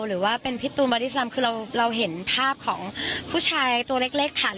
หรือว่าเป็นพี่ตูนบอดี้ซ้ำคือเราเห็นภาพของผู้ชายตัวเล็กค่ะ